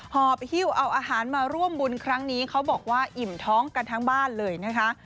หอบฮิ้วเอาอาหารมาร่วมบุญครั้งนี้เขาบอกว่าอิ่มท้องกันทั้งบ้านเลยนะคะ